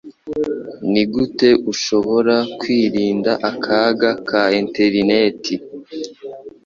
Nigute ushobora kwirinda akaga ka interineti?